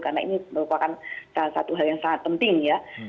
karena ini merupakan salah satu hal yang sangat penting ya